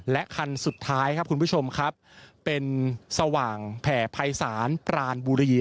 และคันสุดท้ายครับคุณผู้ชมครับเป็นสว่างแผ่ภัยศาลปรานบุรี